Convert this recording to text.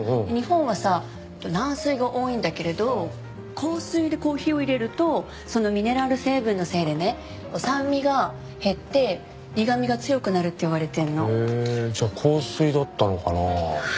日本はさ軟水が多いんだけれど硬水でコーヒーを入れるとそのミネラル成分のせいでね酸味が減って苦みが強くなるっていわれてるの。